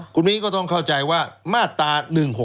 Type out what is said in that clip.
คุณวินก็ต้องเข้าใจว่ามาตรา๑๖๖